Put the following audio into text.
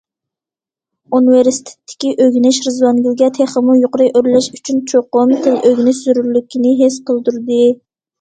ئۇنىۋېرسىتېتتىكى ئۆگىنىش رىزۋانگۈلگە تېخىمۇ يۇقىرى ئۆرلەش ئۈچۈن چوقۇم تىل ئۆگىنىش زۆرۈرلۈكىنى ھېس قىلدۇردى.